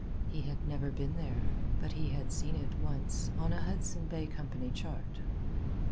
He had never been there, but he had seen it, once, on a Hudson Bay Company chart.